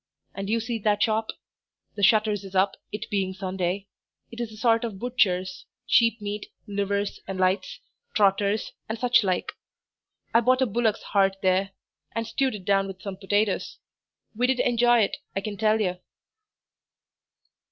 And you see that shop the shutters is up, it being Sunday; it is a sort of butcher's, cheap meat, livers and lights, trotters, and such like. I bought a bullock's heart there, and stewed it down with some potatoes; we did enjoy it, I can tell you."